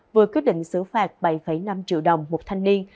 vừa quyết định xử phạt bảy năm triệu đồng một thanh niên